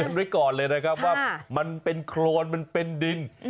ไว้ก่อนเลยนะครับว่ามันเป็นโครนมันเป็นดิน